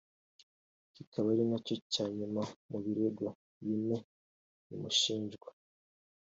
kikaba ari nacyo cyanyuma mu birego bine bimushinjwa